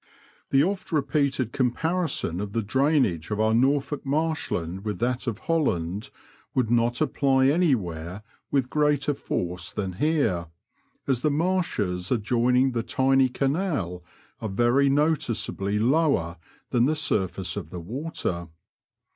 The oft repeated comparison of the drainage of our Norfolk marshland with that of Holland would not apply anywhere with greater force than here, as the marshes adjoining the tiny canal are very noticeably lower than the surface of the water.